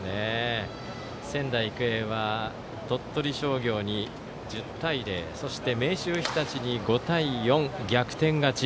仙台育英は鳥取商業に１０対０そして明秀日立に５対４逆転勝ち。